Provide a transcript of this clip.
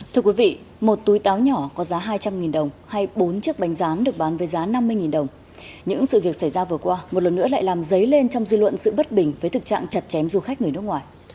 thưa quý vị một túi táo nhỏ có giá hai trăm linh đồng hay bốn chiếc bánh rán được bán với giá năm mươi đồng những sự việc xảy ra vừa qua một lần nữa lại làm dấy lên trong dư luận sự bất bình với thực trạng chặt chém du khách người nước ngoài